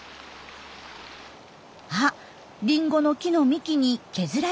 あリンゴの木の幹に削られた跡。